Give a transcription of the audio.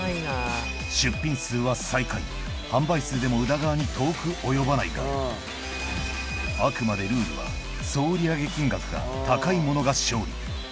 出品数は最下位販売数でも宇田川に遠く及ばないがあくまでルールは総売り上げ金額が高い者が勝利